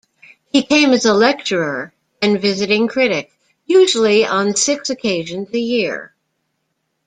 He came as a lecturer and visiting critic, usually on six occasions a year.